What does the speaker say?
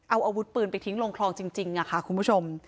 เอาอาวุธปืนไปทิ้งลงคลองจริงค่ะคุณผู้ชม